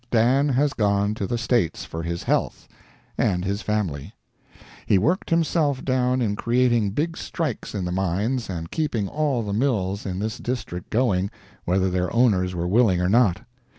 Dan has gone to the States for his health, and his family. He worked himself down in creating big strikes in the mines and keeping all the mills in this district going, whether their owners were willing or not.